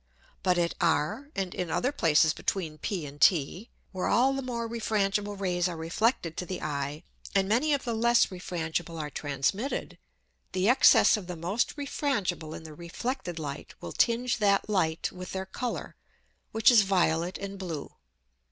But at r, and in other Places between p and t, where all the more refrangible Rays are reflected to the Eye, and many of the less refrangible are transmitted, the Excess of the most refrangible in the reflected Light will tinge that Light with their Colour, which is violet and blue.